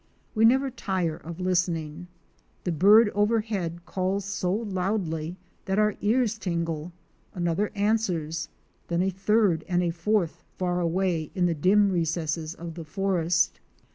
We never tire of listening. The bird overhead calls so loudly that our ears tingle; another answers, then a third and a fourth, far away in the dim recesses of the forest.